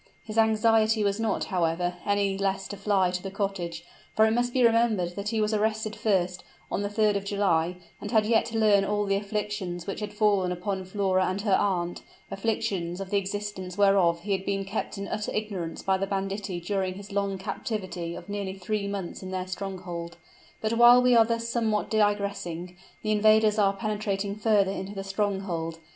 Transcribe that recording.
His anxiety was not, however, any less to fly to the cottage; for it must be remembered that he was arrested first, on the 3d of July, and had yet to learn all the afflictions which had fallen upon Flora and her aunt afflictions of the existence whereof he had been kept in utter ignorance by the banditti during his long captivity of nearly three months in their stronghold. But while we are thus somewhat digressing, the invaders are penetrating further into the stronghold.